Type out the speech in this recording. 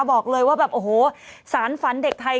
บอกเลยว่าแบบโอ้โห